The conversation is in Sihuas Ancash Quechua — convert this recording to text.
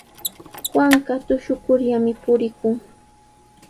Juanqa tushukurllami purikun.